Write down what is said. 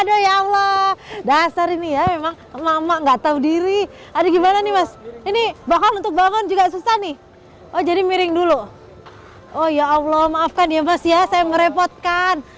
oh jadi miring dulu oh ya allah maafkan ya mas ya saya merepotkan